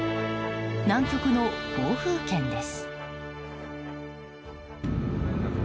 南極の暴風圏です。